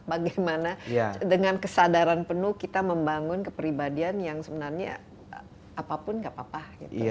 bagaimana dengan kesadaran penuh kita membangun kepribadian yang sebenarnya apapun gak apa apa